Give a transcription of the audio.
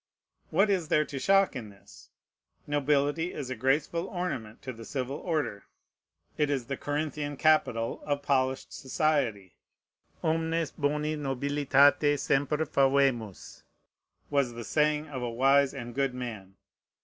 What is there to shock in this? Nobility is a graceful ornament to the civil order. It is the Corinthian capital of polished society. "Omnes boni nobilitati semper favemus," was the saying of a wise and good man.